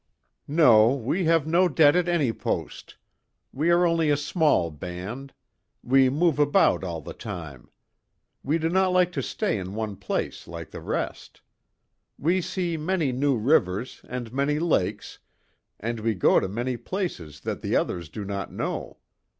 "No. We have no debt at any post. We are only a small band. We move about all the time. We do not like to stay in one place like the rest. We see many new rivers, and many lakes, and we go to many places that the others do not know.